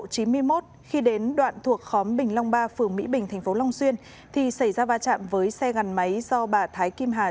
khi đến đoạn thuộc khóm bình long ba phường mỹ bình tp long xuyên thì xảy ra va chạm với xe gắn máy do bà thái kim hà